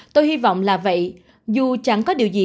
tôi hy vọng là vậy dù chẳng có điều gì